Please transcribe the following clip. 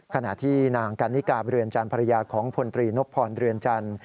ขณะที่นางกันนิกาเรือนจันทร์ภรรยาของพลตรีนพรเรือนจันทร์